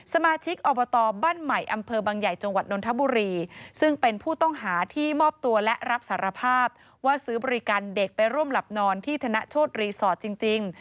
สมาชิกอบตบ้านใหม่อำเภอบางใหญ่จังหวัดนทบุรีซึ่งเป็นผู้ต้องหาที่มอบตัวและรับสารภาพว่าซื้อบริการเด็กไปร่วมหลับนอนที่ธนโชธรีสอร์ทจริง